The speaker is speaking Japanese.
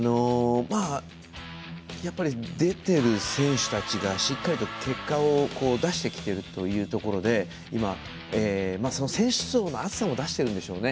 やっぱり出ている選手たちがしっかりと結果を出してきているというところで今、選手層の厚さも出しているんでしょうね。